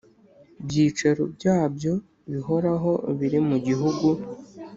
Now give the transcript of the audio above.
Byicaro byabyo bihoraho biri mu gihugu